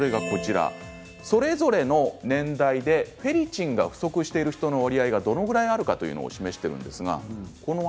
それぞれの年代でフェリチンが不足している人の割合がどれくらいあるかを示しています。